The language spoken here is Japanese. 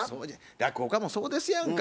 落語家もそうですやんか。